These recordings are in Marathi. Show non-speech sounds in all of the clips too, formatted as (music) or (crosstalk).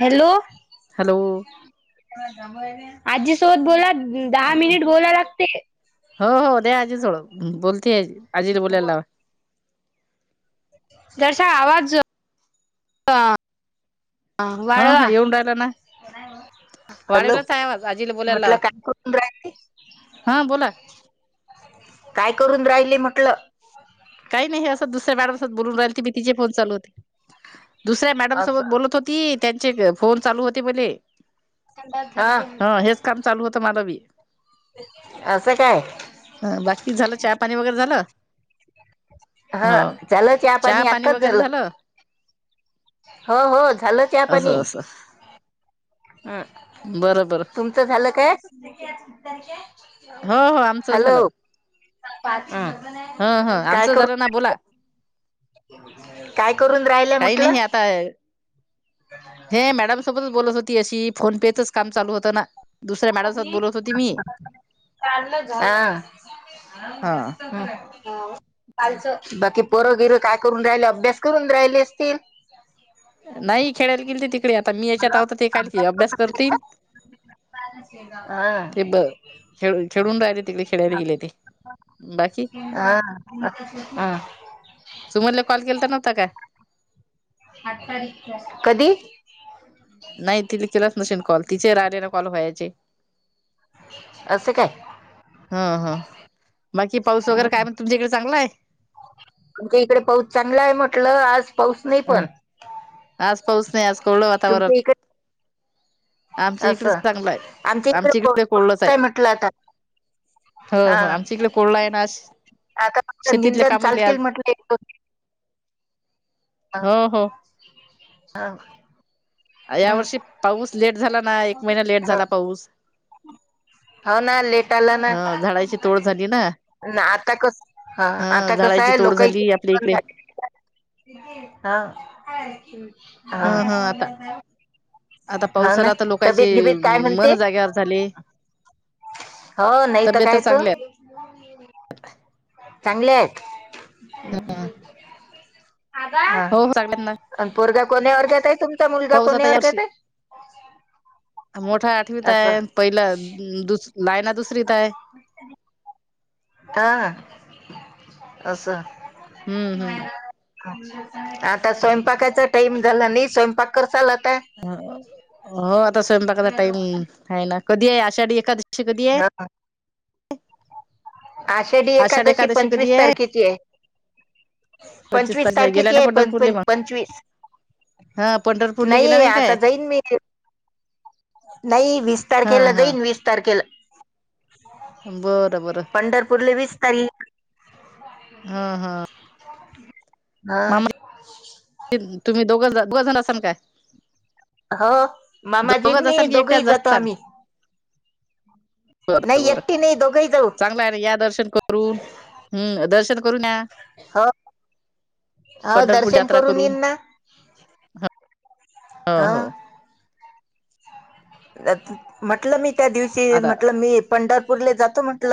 हॅलो हॅलो आजीसोध बोला दहा मिनिट बोला लागते हो हो दे आजी थोडं बोलते आजी बोलायला लावा दर्शक आवाज हा हा हा वाळवा येऊन राहिला ना हॅलो वाढवलाच आहे आवाज आजीला बोलायला म्हटलं लावा काय करून रायते हा, बोला काय करून राहिले? म्हटलं गुरुवालती तिचे फोन चालू होते, दुसऱ्या मॅडम सोबत असं बोलत होती. त्यांचे फोन चालू होते मले, हा हेच काम चालू होतं माझं बी असं काय अ, बाकी झालं, चहा पाणी वगैरे झालं? हा हो झालं चहा पाणी आताच झालं. हो, हो झालं चहा पाणी असं असं हम, बरं बरं तुमचं झालं काय? हो हो आमचं हॅलो हम्म हं, हं, काय आमचं झालं ना करून बोला काय करून राहिलय काही म्हटलं? नाही आता हे मॅडम सोबतच बोलत होती अशी, फोन पेेचच काम चालू होतं ना दुसऱ्या मॅडम सोबत बोलत होती मी आ हा बाकी पोरं, बिरं, काय करून राहिले, अभ्यास करून राहिले असतील. नाही खेळायला गेल ते तिकडे, आता मी याच्यात हॅलो हाव, ते काय करून अभ्यास राहिले का करतील? ते हा ब खेळ खेळून राहिले, तिकडे खेळायला गेले ते बाकी हा, हम सुमनला कॉल केलता नव्हता का? कधी? नाही तिने केलाच नसेन कॉल तिचे राहिले ना कॉल व्हायचे असं, काय? हा, हा, बाकी पाऊस वगैरे काय म्हण तुमच्या इकडे चांगला आहे तुमच्या इकडे पाऊस चांगला आहे म्हटलं, आज पाऊस नाही अ पण आज पाऊस नाही आज कवळ वातावरण तुमच्या इकडे आमच्या इकडेच असं चांगलं आहे आमच्या इकडे कोवळच पाऊस हाय आहे म्हटलं आता हो, हा हो, आमच इकडे कोवळ आहे ना आज आता फक्त शेतीतले निंदन कामच आज चालतील म्हटलं एक दोन हा, हो हो हा या हम्म, वर्षी पाऊस लेट झाला ना, एक महिना लेट हो. झाला पाऊस. हो, ना, लेट आला ना ह झाडाची तोड झाली ना ना आता कसं ह हा आता कसं झाडाची आहे तोड लोक (unintelligible) झाली आपल्या इकडे हा हा, ह ह आता आता हा ना, तबेत बिबेत काय म्हणते? र (unintelligible) झाली हो, नाही तर काय त चांगले आहेत हा, हो हो चांगल्यात ना अन, पोरगा कोण्या वर्ग्यात आहे तुम मुलगा पाऊस आता कोण्या यावर्षी वर्गात हाय? मोठा आठवीत आहे पहिला दुस लायना दुसरीत आहे. हा, असं हम्म, हम्म आता स्वयंपाकाचा टाइम झाला नाही स्वयंपाक करचाल हो आता स्वयंपाकाचा टाइम आहे ना, कधी आहे आषाढी एखाद हा आषाढी एकादशी पंचवीस तारखेची आहे. पंचवीस तारीख गेला तारखेची नाही आहे पंढरपूरले मग पंचवीस हा पंढरपूरले गेला नाही आता काय जाईन मी नाही, वीस हा तारखेला हा जाईन, वीस तारखेला बरं बरं पंढरपूरले वीस तारीख हा हा हा मामा तुम्ही दोघ दोघ जण असाल काय हो मामाजीन मी दोघंही जातो आम्ही हम् नाही बरोबर एकटी नाही दोघही जाऊ चांगला आहे ना या दर्शन करून हम्म दर्शन करून या हो हो पंढरपूर दर्शन यात्रा करून करून येईन ना हा ह हा हो म्हटलं मी त्या दिवशी, आता म्हटलं मी पंढर पुरले जातो म्हंटल,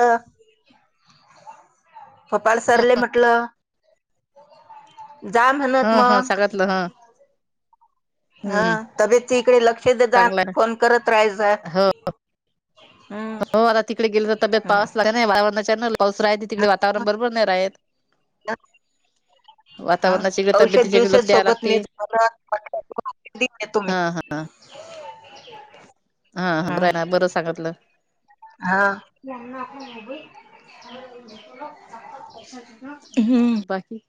गोपाळ सरले म्हटलं, जा म्हणत ह ह मग. सांगितलं ह हा, हम्म तब्येतीकडे लक्ष देत जा चांगलं आहे फोन करत राहायत जा. हो आता तिकडे गेले तर तब्येत हम्म पाऊस लागला नाही वातावरणा पाऊस राह तिकडे वातावरण बरोबर नाही राहत हा वातावरणाची इकडे औषध तब्येतीच्या इकडे दिवसे लक्ष द्यायला सोबत लागते मे मलाट हो तुम्ही हा हा हा रा ना बरं सांगतलं हा हम्म बाकी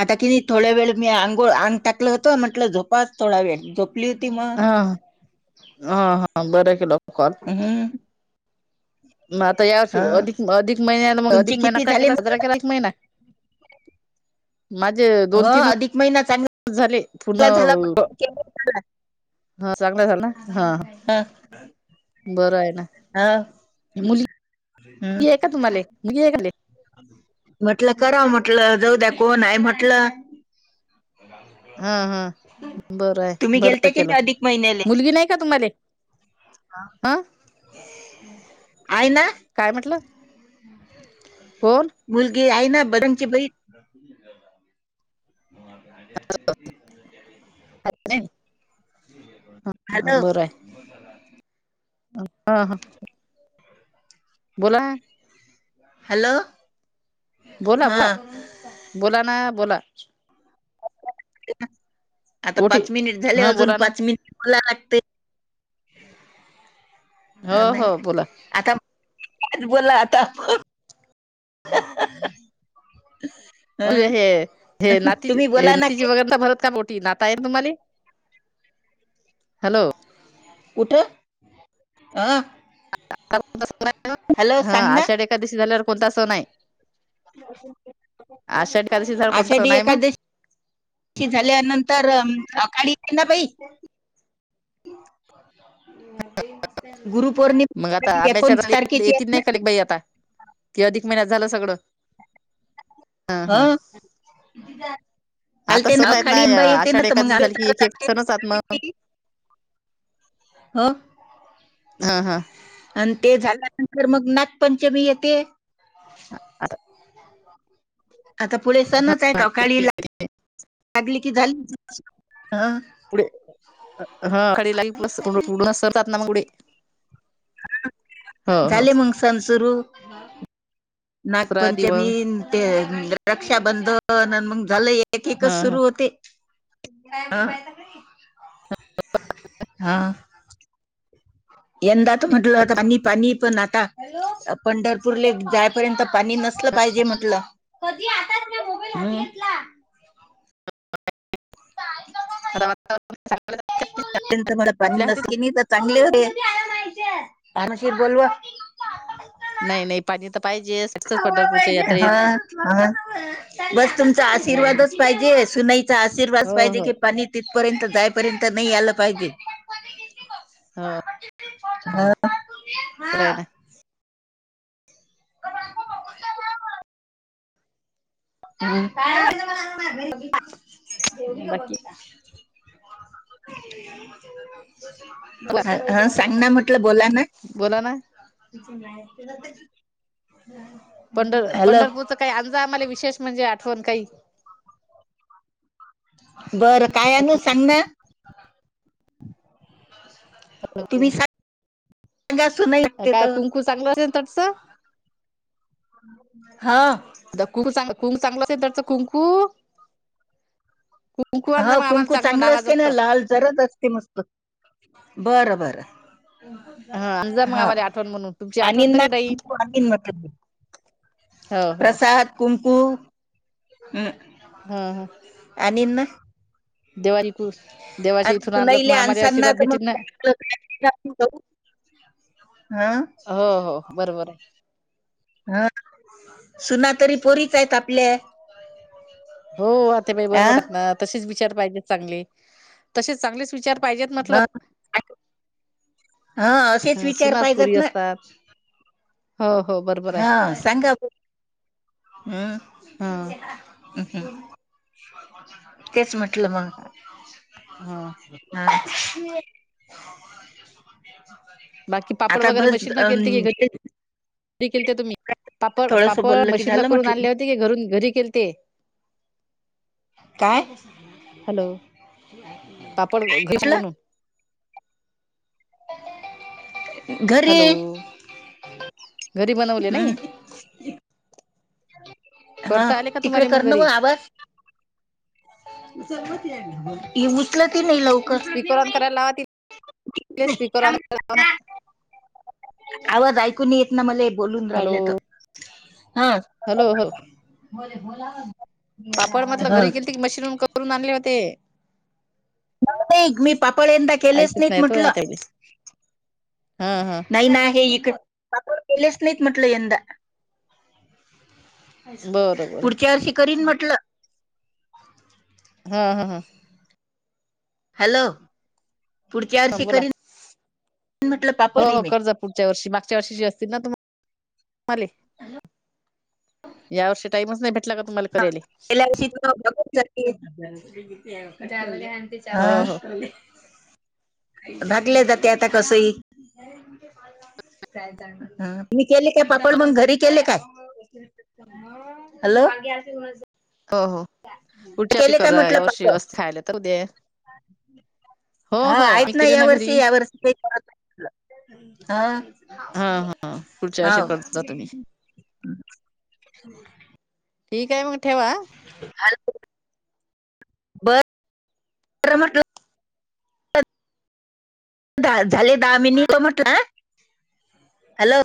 आता कि नाही थोड्या वेळ मी अंघोळ आंग टाकलं होतं म्हटलं झोपाच थोडा वेळ झो हा हा हा बर केलं कॉल हम् मग आता या वर्षी हा अधिक अधिक महिन्याला मग तुमची अधिक महिना किती काय झाले केला म साजरा केला एक महिना माझे दोन तीन झाले झाल ब के हा चांगलं झाल ना हा बरं आहे ना ह मुली हम्म आहे का तुम्हाला मुली आहे काले म्हटलं कराव म्हटलं, जाऊ द्या कोण आहे म्हटलं. हा हा, बरं आहे तुम्ही बर गेलते की केलं नाही अधिक मुलगी नाही का तुम्हाला? आ, आहे ना. काय म्हटलं कोण मुलगी आहे ना, बरंगची बही (unintelligible) (unintelligible) हॅलो! बरं आहे (unintelligible) बोला. हॅलो! बोला हा बोला, बोला ना बोला आता ओटी पाच मिनिट झाले, हा अजून बोला ना पाच मिनिट बोला लागते. (unintelligible) हो हो बोला. काय बोला आता? अ हं, हे हे नाती तुम्ही बोला ना नातीजी काही वगैर भरत का पोटी, नाता आहेत का तुम्हाला? हॅलो कुठं? आ (unintelligible) ह सांग ना आषाढी एकादशी झाल्यावर कोणता सण आहे? आषाढ एकादशी झाल्यावर कोणता आषाढी सण आहे मग एकादशी कि झाल्यानंतर (unintelligible) ना बाई ते मस्त मग आता आब्याच्या आहे ना (unintelligible) की अधिक एक महिन्यात झालं सगळं. हा. आता आलते सण ना, आहेत खाली एक बाई येते ना आषाढ तर मग एकादशी झाली की एक एक सणच आत मग (unintelligible) हा. हा हा. आणि ते झाल्यानंतर मग नागपंचमी येते. आता आता पुढे सणाचा एक अवकाळी ला लागली झाली की पुढे हा (unintelligible) पुढे हो हो झाले मग सण सुरू. दसरा नागपंचमी दिवस ते रक्षाबंधन मग झालं एक ह एकच ह सुरु होते. ह हा. (unintelligible) असलं पाहिजे म्हंटलं, कधी आताच ना मोबाईल हात घेतला, हम (unintelligible) (unintelligible) (unintelligible) आपल्या हाती तर चांगले होते. (unintelligible) नाही नाही पाणी हा (unintelligible) हा, बस तुमचा हो आशीर्वादच पाहिजे, सुनाईचा आशीर्वाद पाहि हिजे हो की पाणी तिथपर्यंत जायपर्यंत नाही आला पाहिजे. (unintelligible) हा हो बरय हा. ना हम (unintelligible) जेवली का बाकी बबिता? (unintelligible) ह हा सांग ना म्हटलं, बोला ना. बोला ना (unintelligible) पंढ हॅलो पंढरपूरचं काय आजचं आम्हाला विशेष म्हणजे आठवण काही बरं काय आणू सांग ना? तुम्ही सां (unintelligible) हा (unintelligible) हा मग आम्हाला कुंकू चांगलं असते ना नावाजोगतं लाल जरद असते मस्त बरं बरं. (unintelligible) ह जा मग आम्हाला आठवण म्हणून तुमची आठवण तरी राहील हो हो प्रसाद कुंकु हम्. ह ह. (unintelligible) देवाशी आता इथून आणलं सुनाईले म आम्हाला आणसांना आशीर्वाद तर मग भेटीन ना. काय आपलं काय देणार तू जाऊ? हं हो हो बरोबर आहे. हा सुना तरी पोरीच आहेत आपल्या. हो आत्याबाई आ बरोबर आहे ना तसेच विचार पाहिजेत चांगले तसेच चांगलेच विचार पाहिजे म्हटलं. हं हा असेच ह विचार सुनाच पोरी पाहिजेत ना असतात. हो हो बरोबर आहे हा सांगा. ह (unintelligible) ह (unintelligible) बाकी (unintelligible) पापड आता वगैरे बस मशीन न अं केलते की घरी बोललं की झालं (unintelligible) म्हटलं (unintelligible) काय? हॅलो पापड घीस म्हटलं बनू. घरी. हॅलो घरी बनवले नाही. हं. हा करता आले का तिकडे तुम्हाला कर ना घरी मग आभज. उचलत ही नाही लवकर. स्पीकरन. आवाज ऐकून येत ना मले बोलून हॅलो राहिलं त. हॅलो हो बोले बोला पापड मटलं घरी गेले त मशीनून करून आणले होते नाही मी पापळ यंदा केलेच ऐकच नाहीत नाही येत म्हटलं आता हा हा नाही ना हे इक पापड केलेच नाहीत म्हटलं यंदा बरं बरं पुढच्या वर्षी करीन म्हटलं हा हा हा. हॅलो! पुढच्या हा वर्षी बोला करीन म्हटलं पापड नाही मे. च्या वर्षी असती ना त या वर्षी टाईमच नाही भेट. हा पाहिल्या हो हो त भागले जाते आता कसही. मी केले काय पापड मंग घरी केले काय? हॅलो अ. हो हो पुढच्या वर्षी केले काय करा म्हटलं या वर्षी पक्क. असं खायला तर उद्या हो हा हो आम्ही आहेत ना केले या घरी वर्षी या वर्षी काहीत. हा हा हा पुढच्या ह. वर्षी करता तुम्ही हो. ठीक आहे मग ठेवा. बर. तर म्हट झाले दहा मिनिट म्हटलं हॅलो